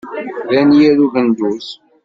D anyir ugenduz.